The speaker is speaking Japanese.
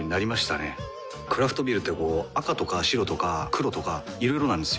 クラフトビールってこう赤とか白とか黒とかいろいろなんですよ。